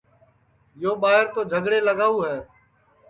یو ٻائیر تو جھگڑے لگاؤ ہے